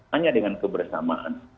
hanya dengan kebersamaan